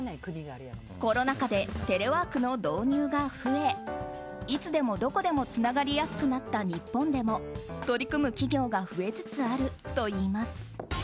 コロナ禍でテレワークの導入が増えいつでもどこでもつながりやすくなった日本でも取り組む企業が増えつつあるといいます。